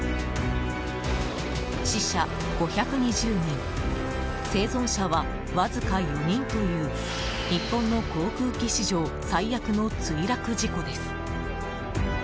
死者５２０人生存者はわずか４人という日本の航空機史上最悪の墜落事故です。